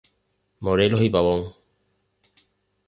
Morelos y Pavón